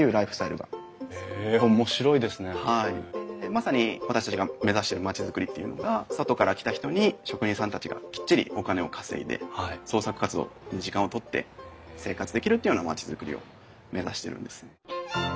まさに私たちが目指している町づくりっていうのが外から来た人に職人さんたちがきっちりお金を稼いで創作活動に時間をとって生活できるっていうような町づくりを目指しているんです。